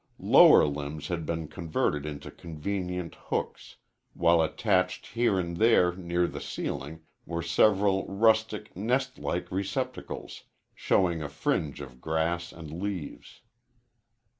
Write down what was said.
Lower limbs had been converted into convenient hooks, while attached here and there near the ceiling were several rustic, nest like receptacles, showing a fringe of grass and leaves.